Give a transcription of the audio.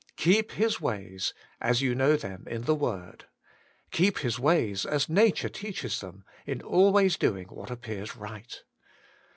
Keep His ways, as you know them in the Word. Keep His ways, as nature teaches them, in always doing what appears right.